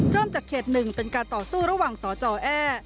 เริ่มจากเขตหนึ่งเป็นการต่อสู้ระหว่างสอจอแอ